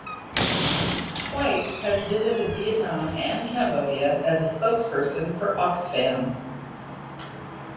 Whyte has visited Vietnam and Cambodia as a spokesperson for Oxfam.